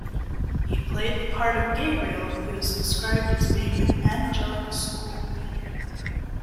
He played the part of Gabriel who is described as being an 'angelic schoolboy'.